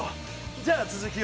じゃあ続きを。